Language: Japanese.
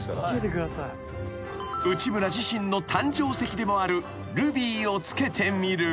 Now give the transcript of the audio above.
［内村自身の誕生石でもあるルビーを着けてみる］